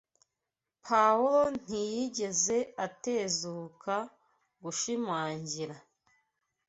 Pawulo ntiyigeze atezuka gushimangira